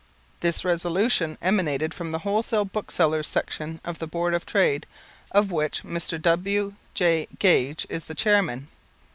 This resolution emanated from the Wholesale Booksellers' Section of the Board of Trade, of which Mr. W.J. Gage is the Chairman.